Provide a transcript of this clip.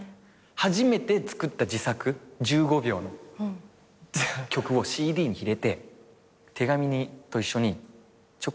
初めて作った自作１５秒の曲をＣＤに入れて手紙と一緒に直接渡すじゃん？